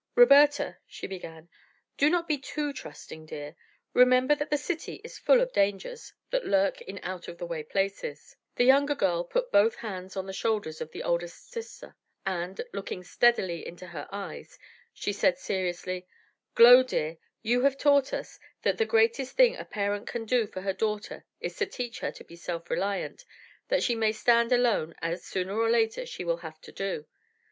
"Roberta," she began, "do not be too trusting, dear. Remember that the city is full of dangers that lurk in out of the way places." The younger girl put both hands on the shoulders of the oldest sister and, looking steadily into her eyes, she said seriously: "Glow, dear, you have taught us that the greatest thing a parent can do for her daughter is to teach her to be self reliant that she may stand alone as, sooner or later, she will have to do.